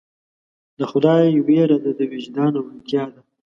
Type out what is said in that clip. د خدای ویره د وجدان روڼتیا ده.